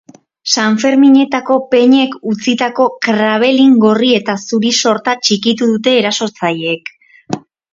Sanferminetako peñek utzitako krabelin gorri eta zuri sorta txikitu dute erasotzaileek.